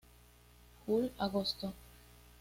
Jul- Agosto.